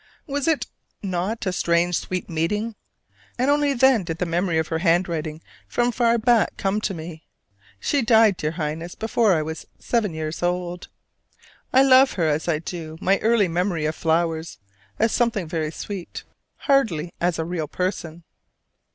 Was it not a strange sweet meeting? And only then did the memory of her handwriting from far back come to me. She died, dear Highness, before I was seven years old. I love her as I do my early memory of flowers, as something very sweet, hardly as a real person.